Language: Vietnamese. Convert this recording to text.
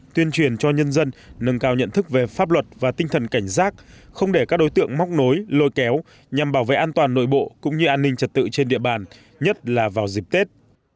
tuyên truyền cho nhân dân nâng cao nhận thức về pháp luật và tinh thần cảnh giác không để các đối tượng móc nối lôi kéo nhằm bảo vệ an toàn nội bộ cũng như an ninh trật tự trên địa bàn nhất là vào dịp tết